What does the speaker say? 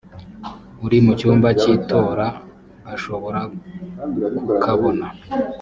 uri mu cyumba cy itora ashobora kukabona